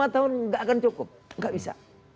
tahun enggak akan cukup enggak bisa